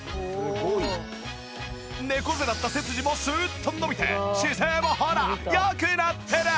猫背だった背筋もスッと伸びて姿勢もほら良くなってる！